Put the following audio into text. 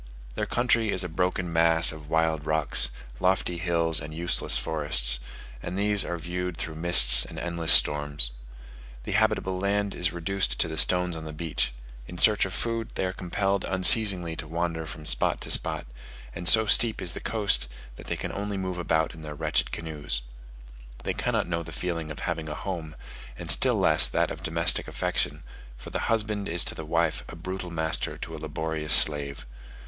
Their country is a broken mass of wild rocks, lofty hills, and useless forests: and these are viewed through mists and endless storms. The habitable land is reduced to the stones on the beach; in search of food they are compelled unceasingly to wander from spot to spot, and so steep is the coast, that they can only move about in their wretched canoes. They cannot know the feeling of having a home, and still less that of domestic affection; for the husband is to the wife a brutal master to a laborious slave.